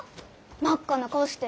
真っ赤な顔して。